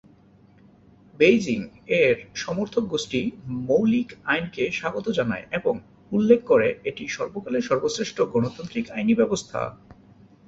বেইজিং-এর সমর্থক গোষ্ঠী মৌলিক আইনকে স্বাগত জানায় এবং উল্লেখ করে এটি সর্বকালের সর্বশ্রেষ্ঠ গণতান্ত্রিক আইনি ব্যবস্থা।